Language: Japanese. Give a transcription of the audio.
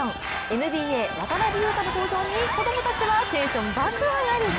ＮＢＡ、渡邊雄太の登場に子供たちはテンション爆上がり。